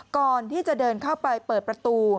ก่อนที่จะเดินเข้าไปเปิดประตู